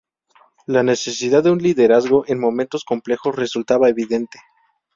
La necesidad de un liderazgo en momentos complejos resultaba evidente.